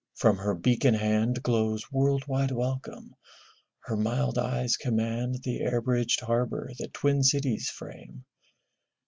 From her beacon hand Glows world wide welcome; her mild eyes command The air bridged harbor that twin cities frame.